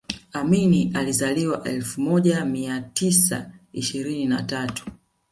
Amin alizaliwa elfu moja mia mia tisa ishirini na tatu